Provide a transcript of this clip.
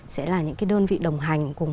sẽ là những cái đơn vị đồng hành cùng